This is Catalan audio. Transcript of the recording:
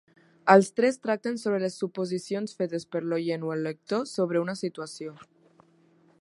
Els tres tracten sobre les suposicions fetes per l'oient o el lector sobre una situació.